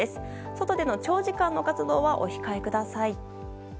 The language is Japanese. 外での長時間の活動はお控えください。